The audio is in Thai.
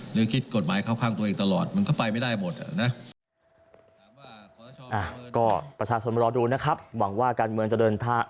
หรือคิดกฎหมายเข้าข้างตัวเองตลอดมันก็ไปไม่ได้หมดนะ